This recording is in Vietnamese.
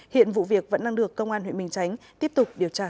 hiện vụ việc vẫn đang được công an huyện bình chánh tiếp tục điều tra xử lý